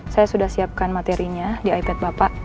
saya sudah siapkan materinya di ipad bapak